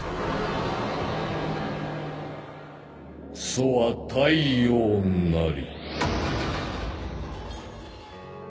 そは「太陽」なり。